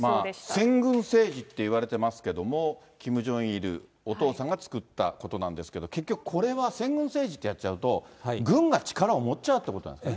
先軍政治っていわれてますけれども、キム・ジョンイル、お父さんが作ったことばなんですけど、結局、これは先軍政治ってやっちゃうと、軍が力を持っちゃうということなんですね。